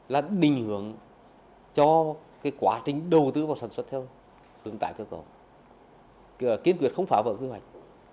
là định hưởng cho quá trình đầu tư vào sản xuất theo hướng tài cơ cổ kiên quyết không phá vỡ quy hoạch